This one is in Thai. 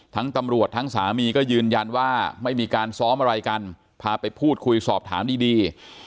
ตำรวจทั้งสามีก็ยืนยันว่าไม่มีการซ้อมอะไรกันพาไปพูดคุยสอบถามดี